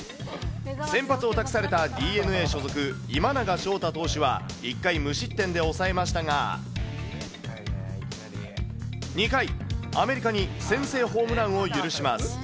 先発を託されたＤｅＮＡ所属、今永昇太投手は、１回無失点で抑えましたが、２回、アメリカに先制ホームランを許します。